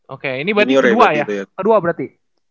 oke ini berarti kedua ya dua berarti